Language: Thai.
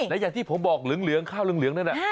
และอย่างที่ผมบอกเหลืองข้าวเหลืองนั่นน่ะ